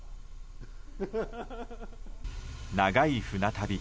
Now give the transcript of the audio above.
長い船旅。